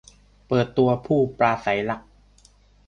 เปิดตัวผู้ปราศรัยหลัก !